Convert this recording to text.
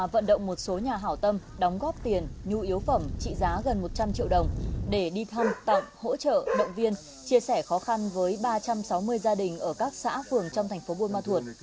vận động một số nhà hảo tâm đóng góp tiền nhu yếu phẩm trị giá gần một trăm linh triệu đồng để đi thăm tặng hỗ trợ động viên chia sẻ khó khăn với ba trăm sáu mươi gia đình ở các xã phường trong thành phố buôn ma thuột